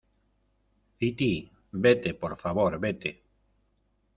Fiti, vete , por favor. vete .